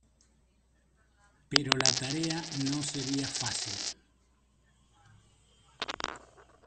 Pero la tarea no sería fácil.